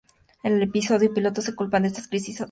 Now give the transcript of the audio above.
En el episodio piloto se culpa de esta crisis a Dan.